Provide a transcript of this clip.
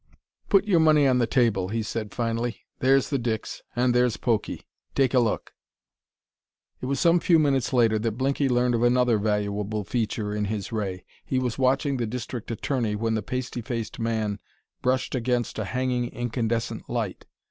"Put your money on the table," he said, finally: "there's the dicks ... and there's Pokey. Take a look " It was some few minutes later that Blinky learned of another valuable feature in his ray. He was watching the district attorney when the pasty faced man brushed against a hanging incandescent light.